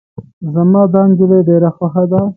زما دا نجلی ډیره خوښه ده.